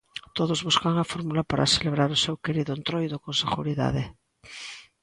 Todos buscan a fórmula para celebrar o seu querido Entroido con seguridade.